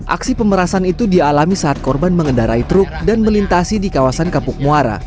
aksi pemerasan itu dialami saat korban mengendarai truk dan melintasi di kawasan kapuk muara